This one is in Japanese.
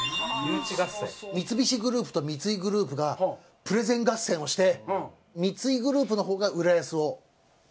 三菱グループと三井グループがプレゼン合戦をして三井グループの方が浦安をプレゼンするんですよ。